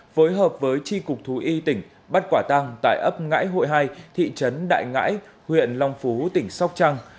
phối hợp với tri cục thú y tỉnh bắt quả tăng tại ấp ngãi hội hai thị trấn đại ngãi huyện long phú tỉnh sóc trăng